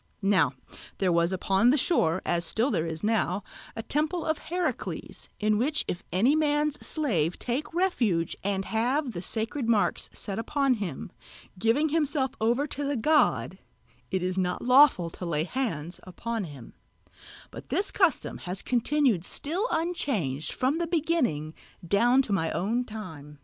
Now there was upon the shore, as still there is now, a temple of Heracles, in which if any man's slave take refuge and have the sacred marks set upon him, giving himself over to the god, it is not lawful to lay hands upon him; but this custom has continued still unchanged from the beginning down to my own time.